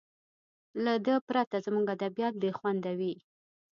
له ده پرته زموږ ادبیات بې خونده وي.